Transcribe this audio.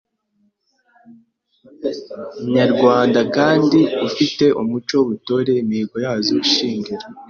Nyarwanda kandi ufi te umuco w’ubutore, imihigo yazo ishingira